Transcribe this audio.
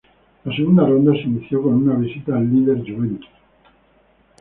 La segunda ronda se inició con una visita al líder Juventus.